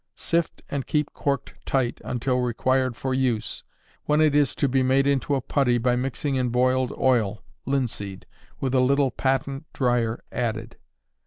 Sift and keep corked tight until required for use, when it is to be made into a putty by mixing in boiled oil (linseed) with a little patent dryer added.